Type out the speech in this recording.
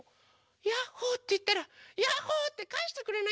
「ヤッホ」っていったら「ヤッホー！」ってかえしてくれなきゃ！